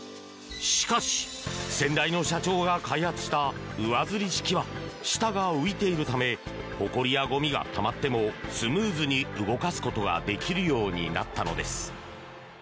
しかし、先代の社長が開発した上づり式は下が浮いているためほこりやゴミがたまってもスムーズに動かすことができるようになったのです。